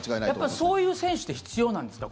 やっぱりそういう選手って必要なんですか？